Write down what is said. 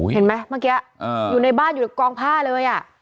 เห็นไหมเมื่อกี้อยู่ในบ้านอยู่ในกองผ้าเลย